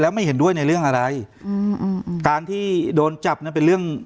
ไม่เห็นด้วยในเรื่องอะไรอืมการที่โดนจับนั้นเป็นเรื่อง